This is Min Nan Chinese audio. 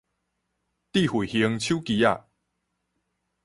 智慧型手機